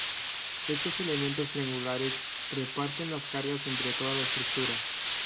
Estos elementos triangulares reparten las cargas entre toda la estructura.